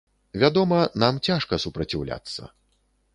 Вядома, нам цяжка супраціўляцца.